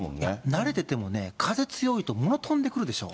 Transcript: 慣れててもね、風強いと、物飛んでくるでしょ。